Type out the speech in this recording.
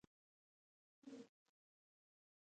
پاڅون د سیاسي نظام په وړاندې حرکت دی.